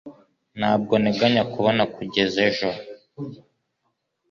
Ntabwo nteganya kubona kugeza ejo